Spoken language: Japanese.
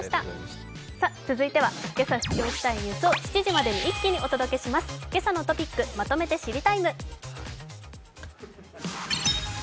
続いてはけさ知っておきたいニュースを７時までに一気にまとめてお届けします、「けさのトピックまとめて知りＴＩＭＥ，」。